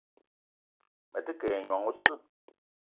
Me te ke ayi nyong oseu.